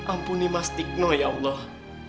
ampuni mas tigno ya allah